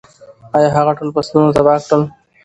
ایا هغه ټول فصلونه تباه کړل؟